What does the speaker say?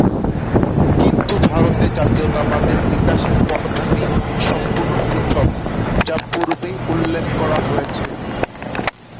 কিন্তু ভারতে জাতীয়তাবাদের বিকাশের পটভূমি সম্পূর্ণ পৃথক, যা পূর্বেই উল্লেখ করা হয়েছে।